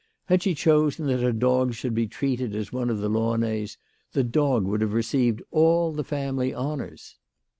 Had she chosen that a dog should be treated as one of the Launay s, the dog would nave received all the family honours.